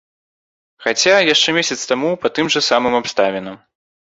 Хаця яшчэ месяц таму па тым жа самым абставінам.